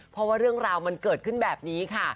เพราะว่าเรื่องราวมันเกิดขึ้นแบบนี้ค่ะ